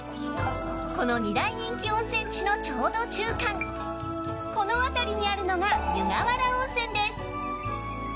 この二大人気温泉地のちょうど中間この辺りにあるのが湯河原温泉です。